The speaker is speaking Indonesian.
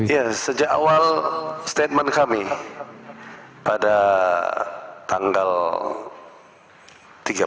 ya sejak awal statement kami pada tanggal tiga puluh